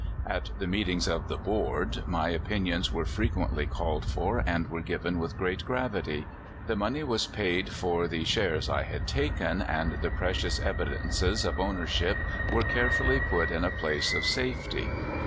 At the meetings of " the board," my opinions were frequently called for, and were given with great gravity. The money was paid for the shares I had taken, and the precious evi dences of ownership were carefully put in a place of safety.